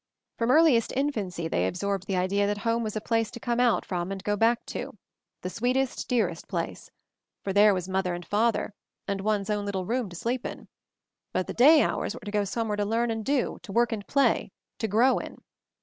From earliest infancy they absorbed the idea that home was a place to come out from and go back to; the sweetest, dearest place — for there was mother, and father, and one's own little room to sleep in; but the day hours were to go somewhere to learn and do, to work and play, to grow in.